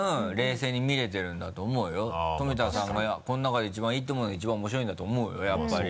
富田さんがこの中で一番いいと思うのが一番面白いんだと思うよやっぱり。